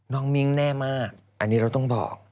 มิ้งแน่มากอันนี้เราต้องบอก